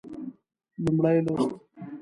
لومړی لوست